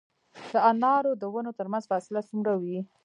د انارو د ونو ترمنځ فاصله څومره وي؟